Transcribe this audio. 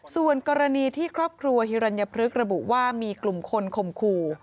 ส่วนกรณีที่ครอบครัวฮิรัญพฤกษระบุว่ามีกลุ่มคนข่มขู่